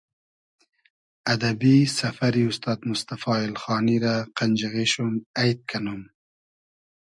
ادئبی سئفئری اوستاد موستئفا اېلخانی رۂ قئنجیغې شوم اݷد کئنوم